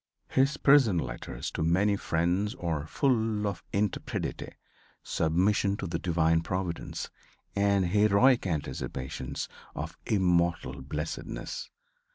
His prison letters to many friends are full of intrepidity, submission to the divine providence and heroic anticipations of immortal blessedness.